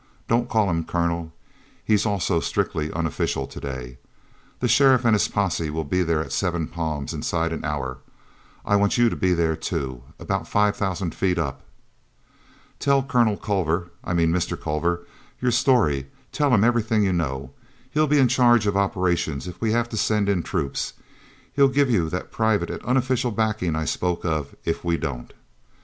Don't call him 'Colonel'—he's also strictly unofficial to day. The sheriff and his posse will be there at Seven Palms inside an hour; I want you to be there, too, about five thousand feet up. "Tell Colonel Culver—I mean Mr. Culver—your story; tell him everything you know. He'll be in charge of operations if we have to send in troops; he'll give you that private and unofficial backing I spoke of if we don't.